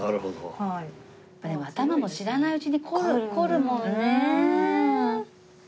やっぱでも頭も知らないうちに凝るもんね。